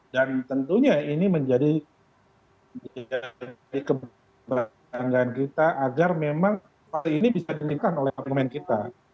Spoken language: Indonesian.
dan tentunya ini menjadi keberanian kita agar memang kali ini bisa ditingkatkan oleh pemain kita